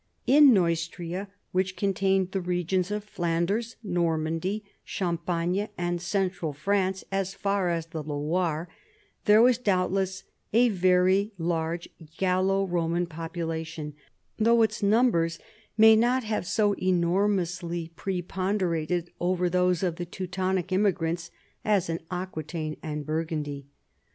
In Neustria, which contained the regions of Flanders, Normandy, Champagne, and Central France as far as the Loire, there was doubtless a very large Gallo Roraan population, though its numbers may not have so enormously preponderated over those of the Teutonic immigrants as in Aquitaine and Burgundy.